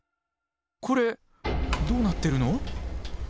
コレどうなってるの！？